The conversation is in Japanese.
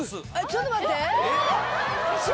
ちょっと待って！